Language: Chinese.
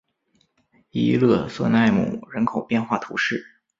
伊勒瑟奈姆人口变化图示